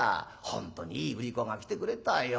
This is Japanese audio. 本当にいい売り子が来てくれたよ」。